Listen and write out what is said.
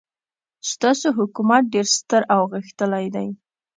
ستاسو حکومت ډېر ستر او غښتلی دی.